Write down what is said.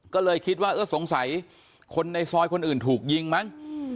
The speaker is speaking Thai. ก็เลยคิดว่าเออสงสัยคนในซอยคนอื่นถูกยิงมั้ง